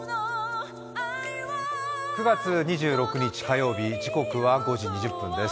９月２６日火曜日、時刻は５時２０分です。